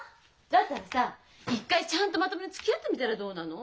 だったらさ一回ちゃんとまともにつきあってみたらどうなの？